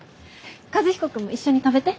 和彦君も一緒に食べて。